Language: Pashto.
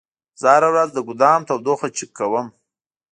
زه هره ورځ د ګودام تودوخه چک کوم.